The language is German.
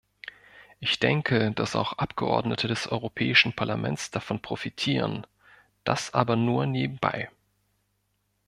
Ich denke, dass auch Abgeordnete des Europäischen Parlaments davon profitieren, das aber nur nebenbei.